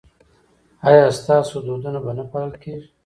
ایا ستاسو دودونه به نه پالل کیږي؟